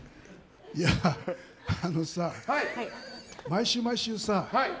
いや、あのさ毎週毎週さ。